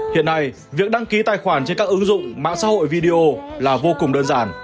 hiện nay việc đăng ký tài khoản trên các ứng dụng mạng xã hội video là vô cùng đơn giản